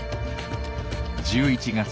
１１月。